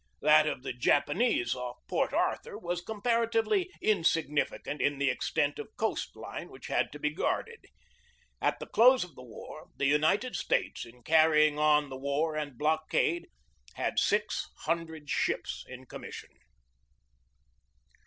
That of the Japanese off Port Arthur was comparatively insignificant in the extent of coast line which had to be guarded. At the close of the war the United States, in carrying on the war and blockade, had six hundred ships in com mission.